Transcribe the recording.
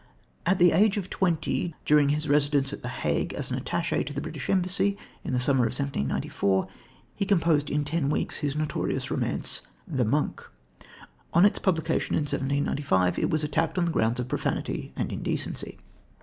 At the age of twenty, during his residence at the Hague as attaché to the British embassy, in the summer of 1794, he composed in ten weeks, his notorious romance, The Monk. On its publication in 1795 it was attacked on the grounds of profanity and indecency.